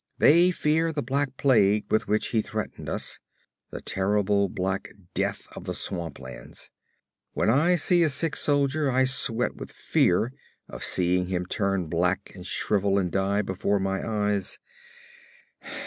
They fear the black plague with which he threatened us the terrible black death of the swamplands. When I see a sick soldier I sweat with fear of seeing him turn black and shrivel and die before my eyes.